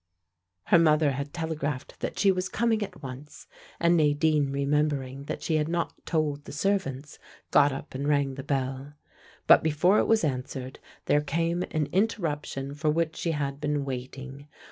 Her mother had telegraphed that she was coming at once; and Nadine remembering that she had not told the servants got up and rang the bell. But before it was answered there came an interruption for which she had been waiting.